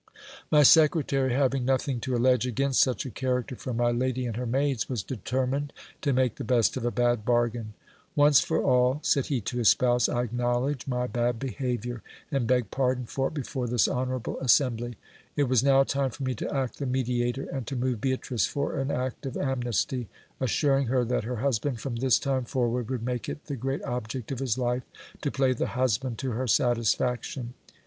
My secretary, having nothing to allege against such a character from my lady and her maids, was determined to make the best of a bad bargain. Once for all, said he to his spouse, I acknowledge my bad behaviour, and beg par don for it before this honourable assembly. It was now time for me to act the mediator, and to move Beatrice for an act of amnesty, assuring her that her husband from this time forward would make it the great object of his life to play the husband to her satisfaction.